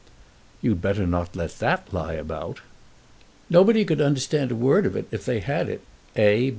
"You'd better not let that lie about." "Nobody could understand a word of it if they had it. A.